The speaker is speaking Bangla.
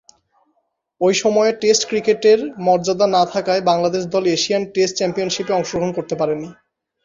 ঐ সময়ে টেস্ট ক্রিকেটের মর্যাদা না থাকায় বাংলাদেশ দল এশিয়ান টেস্ট চ্যাম্পিয়নশীপে অংশগ্রহণ করতে পারেনি।